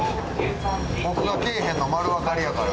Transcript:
僕がけぇへんの丸わかりやから。